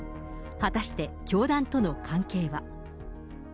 はたして、教団との関係は。